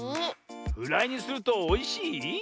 フライにするとおいしい？